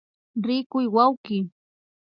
Rikuy wawki